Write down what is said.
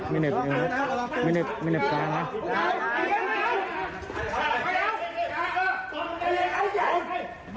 ไม่เหนื่อยงาประวัติเพราะรอแรงนะ